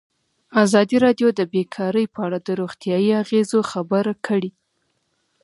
ازادي راډیو د بیکاري په اړه د روغتیایي اغېزو خبره کړې.